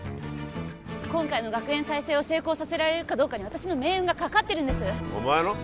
今回の学園再生を成功させられるかどうかに私の命運がかかってるんですお前の？